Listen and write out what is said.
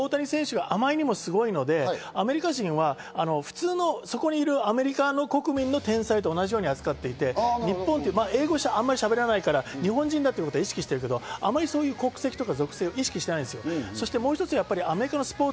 面白いなと思うのは、大谷選手があまりにもすごいので、アメリカ人は普通のそこにいるアメリカ国民の天才と同じように扱っていて、あまり英語をしゃべらないから、日本ということは意識はしてるけど、国籍とか属性を意識していない。